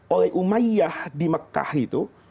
oleh umayyah di mekah itu